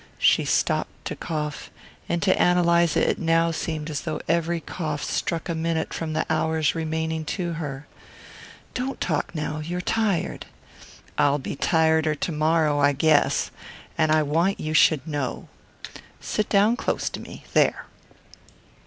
She stopped to cough, and to Ann Eliza it now seemed as though every cough struck a minute from the hours remaining to her. "Don't talk now you're tired." "I'll be tireder to morrow, I guess. And I want you should know. Sit down close to me there."